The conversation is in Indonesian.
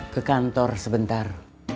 ke kantor sebentar